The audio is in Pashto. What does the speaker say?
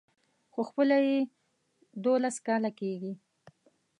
خو خپله يې دولس کاله کېږي.